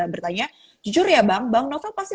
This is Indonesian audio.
bertanya jujur ya bang bang novel pasti